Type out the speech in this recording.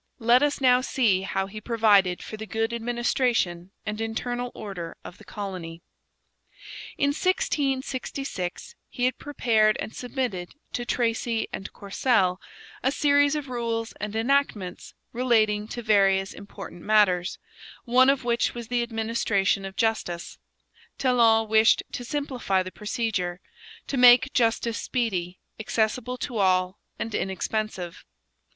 Let us now see how he provided for the good administration and internal order of the colony. In 1666 he had prepared and submitted to Tracy and Courcelle a series of rules and enactments relating to various important matters, one of which was the administration of justice. Talon wished to simplify the procedure; to make justice speedy, accessible to all, and inexpensive.